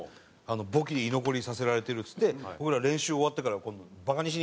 簿記で居残りさせられてるっつって僕ら練習終わってからバカにしに行ったんですよ。